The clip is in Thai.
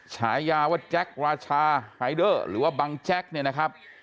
ฉายาว่าแจ็คราชาไฮเดอร์หรือว่าบังแจ็คเนี่ยนะครับ